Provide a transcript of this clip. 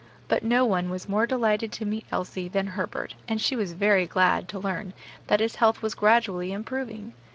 But no one was more delighted to meet Elsie than Herbert, and she was very glad to learn that his health was gradually improving.